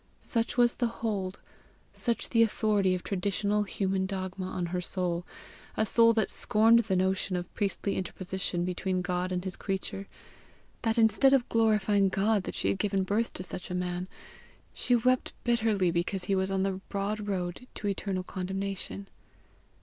Such was the hold, such the authority of traditional human dogma on her soul a soul that scorned the notion of priestly interposition between God and his creature that, instead of glorifying God that she had given birth to such a man, she wept bitterly because he was on the broad road to eternal condemnation.